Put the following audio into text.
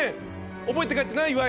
覚えて帰ってな岩井